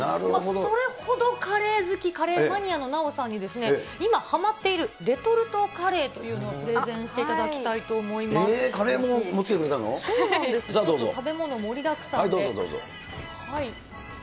それほどカレー好き、カレーマニアの奈緒さんに、今はまっているレトルトカレーというのを、プレゼンしていただきカレーも持ってきてくれたの？